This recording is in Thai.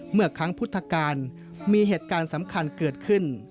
เมื่อครั้งพุทธกาลมีเหตุการณ์สำคัญเกิดขึ้น